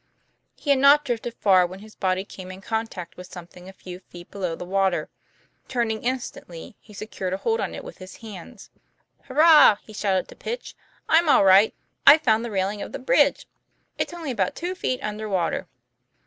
He had not drifted far, when his body came in contact with something a few feet below the water. Turning instantly he secured a hold on it with his hands. " Hurrah! " he shouted to Pitch. " I'm all right. I've found the railing of the bridge. It's only about two feet under water."